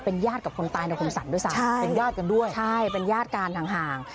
แต่เป็นญาติกับคนตายในธุมศรรย์ด้วยซะใช่เป็นญาติกันด้วยใช่เป็นญาติการทางห่าง